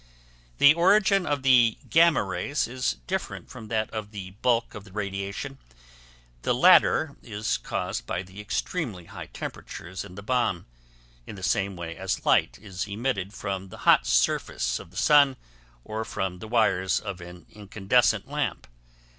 The origin of the gamma rays is different from that of the bulk of the radiation: the latter is caused by the extremely high temperatures in the bomb, in the same way as light is emitted from the hot surface of the sun or from the wires in an incandescent lamp.